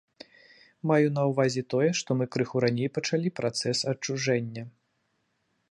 Маю на ўвазе тое, што мы крыху раней пачалі працэс адчужэння.